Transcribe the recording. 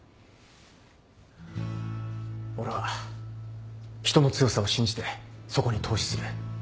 俺は人の強さを信じてそこに投資する。